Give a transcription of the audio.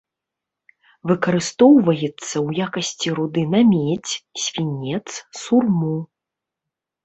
Выкарыстоўваецца ў якасці руды на медзь, свінец, сурму.